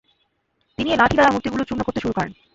তিনি এ লাঠি দ্বারা মূর্তিগুলো চূর্ণ করতে শুরু করেন।